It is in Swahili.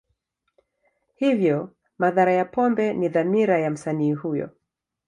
Hivyo, madhara ya pombe ni dhamira ya msanii huyo.